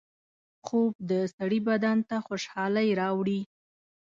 خوب د سړي بدن ته خوشحالۍ راوړي